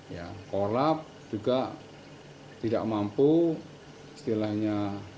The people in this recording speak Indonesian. karena korlap juga tidak mampu setilanya